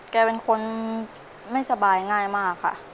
แกเป็นคนไม่สบายง่ายมากค่ะ